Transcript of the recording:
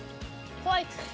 ホワイト。